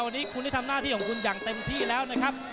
วันนี้คุณได้ทำหน้าที่ของคุณอย่างเต็มที่แล้วนะครับ